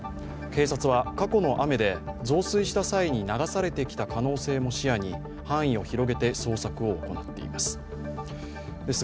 警察は、過去の雨で増水した際に流されてきた可能性も視野に範囲を広げて捜索を行っています。